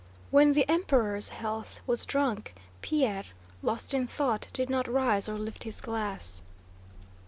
When the Emperor's health was drunk, Pierre, lost in thought, did not rise or lift his glass.